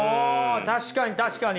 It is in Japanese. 確かに確かに。